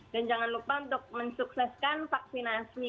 dan jangan lupa untuk mensukseskan vaksinasi